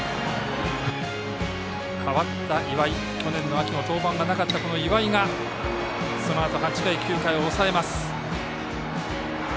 代わった岩井去年の秋は登板がなかったこの岩井がそのあと８回、９回を抑えます。